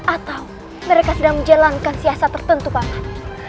atau mereka sedang menjalankan siasat tertentu pangan